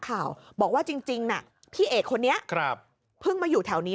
ข่าวบอกว่าจริงน่ะพี่เอกคนนี้ครับเพิ่งมาอยู่แถวนี้